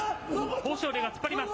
豊昇龍が引っ張ります。